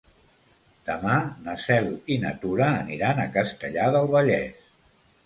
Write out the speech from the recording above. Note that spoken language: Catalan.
Demà na Cel i na Tura aniran a Castellar del Vallès.